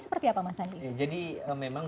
seperti apa mas andi jadi memang